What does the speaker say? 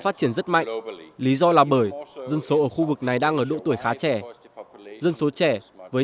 phát triển rất mạnh lý do là bởi dân số ở khu vực này đang ở độ tuổi khá trẻ dân số trẻ với